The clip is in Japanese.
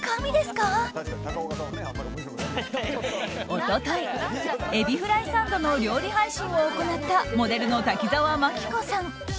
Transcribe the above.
一昨日、エビフライサンドの料理配信を行ったモデルの滝川眞規子さん。